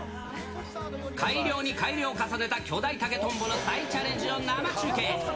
改良に改良を重ねた巨大竹とんぼの再チャレンジを生中継。